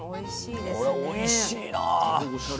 これおいしいな！